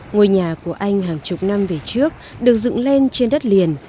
ngôi nhà của anh hàng chục năm về trước được dựng lên trên đất liền